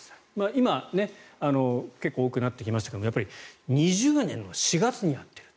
今、結構多くなってきましたが２０年の４月にやっている。